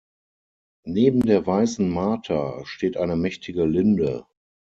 Neben der Weißen Marter steht eine mächtige Linde.